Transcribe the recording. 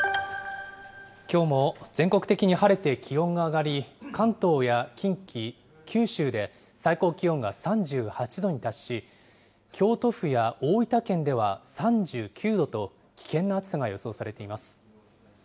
きょうも全国的に晴れて、気温が上がり、関東や近畿、九州で最高気温が３８度に達し、京都府や大分県では３９度と、危険な暑さが予想されています。